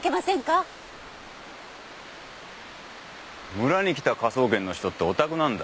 村に来た科捜研の人っておたくなんだ。